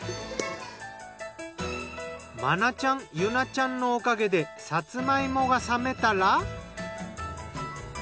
真愛ちゃん結愛ちゃんのおかげでさつま芋が冷めたら。